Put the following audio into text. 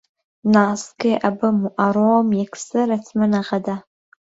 نازکێ ئەبەم و ئەڕۆم یەکسەر ئەچمە نەغەدە